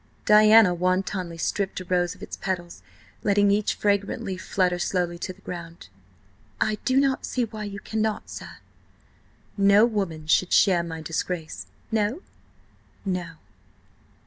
Diana wantonly stripped a rose of its petals, letting each fragrant leaf flutter slowly to the ground. "I do not see why you cannot, sir." "No woman would share my disgrace." "No?" "No."